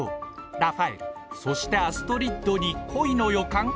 ラファエルそしてアストリッドに恋の予感？